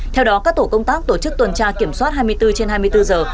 theo đó các tổ công tác tổ chức tuần tra kiểm soát hai mươi bốn trên hai mươi bốn giờ